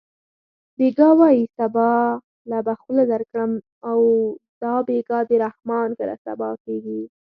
بېګا وایې سبا له به خوله درکړم دا بېګا د رحمان کله سبا کېږي